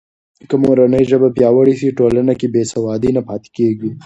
که مورنۍ ژبه پیاوړې سي، ټولنه کې بې سوادي نه پاتې کېږي.